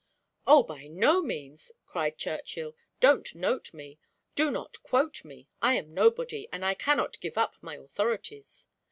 "Oh, by no means," cried Churchill, "don't note me, do not quote me, I am nobody, and I cannot give up my authorities."